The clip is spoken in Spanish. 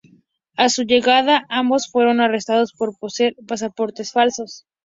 A su llegada, ambos fueron arrestados por poseer pasaportes falsos.